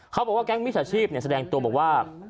เขาบอกว่าแก๊งมิจฉาชีพแสดงตัวบอกว่า